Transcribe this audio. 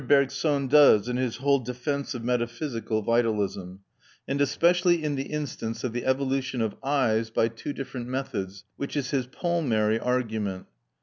Bergson does in his whole defence of metaphysical vitalism, and especially in the instance of the evolution of eyes by two different methods, which is his palmary argument.